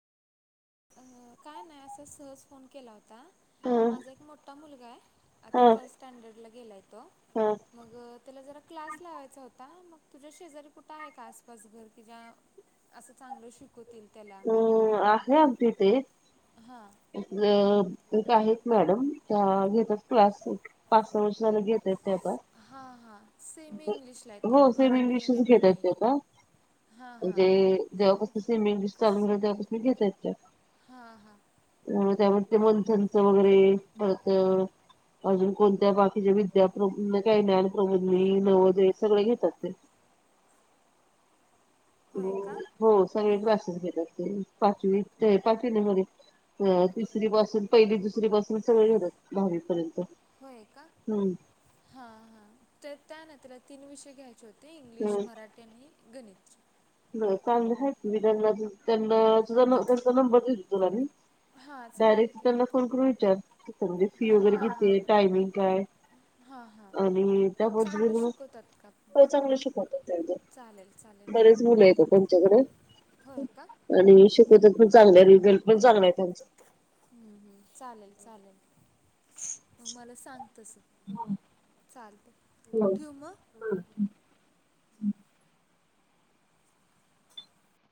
अ काय नाही, असा सहज फोन केला होता. ह माझा एक मोठा मुलगा आहे, ह आता थर्ड स्टँडर्डला गेलाय तो. ह मग त्याला जरा क्लास लावायचा होता, मग तुझ्या शेजारी कुठं आहे का? आसपास घर की ज्या असं चांगलं शिकवतील त्याला. हाय, आमच्या इथ एक. हां. एक आहेत मॅडम, त्या घेतात क्लास. पाच, सहा वर्ष झालं घेतायेत ते आता. हां हां. सेमी इंग्लिशला आहे तो, हो सेम मराठी इंग्लिशच मिडियमला नाहीये. हां हां. [unintelligible] सेमी इंग्लिश चालू झालंय, तेव्हापासून घेतायेत त्या. हां हां त्यामध्ये ते मंथनच वगैरे [unintelligible] अजून कोणत्या बाकीच्या विद्या [unintelligible] ज्ञानप्रबोधी, नवोदय सगळे घेतात ते. होय का? हो, सगळे क्लासेस घेतात ते. पाचवी [unintelligible] अ तिसरी पासून पहिली, दुसरी पासून सगळे घेतात दहावीपर्यंत. होय का हां हा तर त्यानंतर तीन विषय घ्यायचे होते. ते इंग्लिश मराठी आणि गणित. चां ह ती त्यांना त्यांना तुझा त्यांचा नंबर देत तुला मी. हां चालेल डायरेक्ट की. त्यांना फोन करून विचार म्हणजे फी वगैरे हां किती हां आहे टायमिंग काय. हां हां आणि त्या बदली चांगलं मग शिकवतात का हो चांगले शिकवत त्या चालेल चालेल मग बरेच मुलं येता त्यांच्याकडे होय का आणि शिकवतात पण चांगलं रिझल्ट पण चांगला आहे त्यांचा. हम् हम् चालेल चालेल म मला सांग तस हो. चालत ठ्यू म? हम्